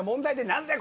何だよ